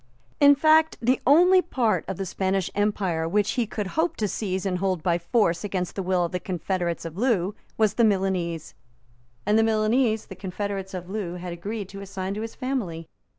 In fact, the only part of the Spanish empire which he could hope to seize and hold by force against the will of the confederates of Loo was the Milanese; and the Milanese the confederates of Loo had agreed to assign to his family.